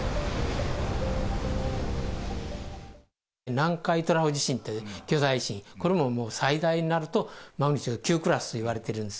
南海トラフ地震って巨大地震、これも最大になるとマグニチュード９クラスといわれてるんです。